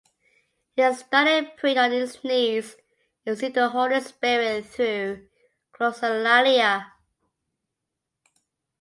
He then started prayed on his knees and received the Holy Spirit through glossolalia.